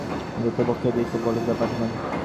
উদয়াদিত্য বক্ষে দৃঢ় বল বাঁধিলেন।